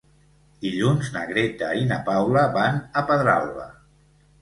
Dilluns na Greta i na Paula van a Pedralba.